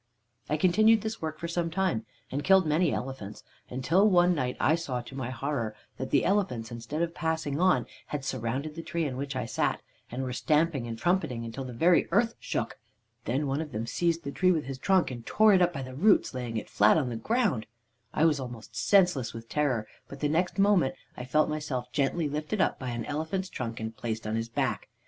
"I continued this work for some time, and killed many elephants, until one night I saw to my horror that the elephants, instead of passing on, had surrounded the tree in which I sat, and were stamping and trumpeting, until the very earth shook. Then one of them seized the tree with his trunk, and tore it up by the roots, laying it flat on the ground. "I was almost senseless with terror, but the next moment I felt myself gently lifted up by an elephant's trunk, and placed on his back.